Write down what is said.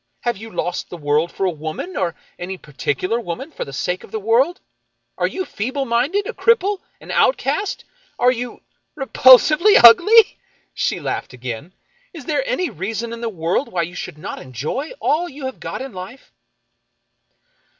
Have you lost the world for a woman, or any particular woman for the sake of the world ? Are you feeble minded, a cripple, an outcast ? Are you — repulsively ugly ?" She laughed again. " Is there any reason in the world why you should not enjoy all you have got in life